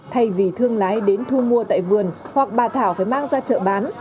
thay vì thương lái đến thu mua tại vườn hoặc bà thảo phải mang ra chợ bán